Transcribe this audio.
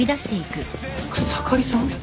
草刈さん？